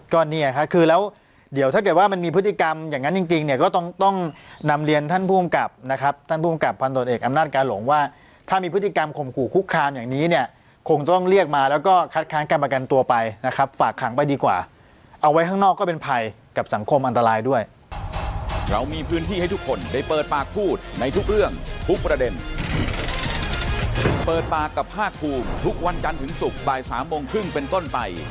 ก็เนี้ยค่ะคือแล้วเดี๋ยวถ้าเกิดว่ามันมีพฤติกรรมอย่างงั้นจริงจริงเนี้ยก็ต้องต้องนำเรียนท่านผู้กลับนะครับท่านผู้กลับพันธนเอกอำนาจการหลงว่าถ้ามีพฤติกรรมข่มขู่คุกคามอย่างนี้เนี้ยคงต้องเรียกมาแล้วก็คัดค้างกับประกันตัวไปนะครับฝากค้างไปดีกว่าเอาไว้ข้างนอกก็เป็นภัย